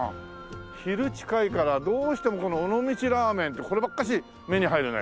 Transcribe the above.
昼近いからどうしてもこの「尾道ラーメン」ってこればっかし目に入るね。